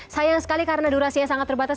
sayang sekali karena durasi yang sangat terbatas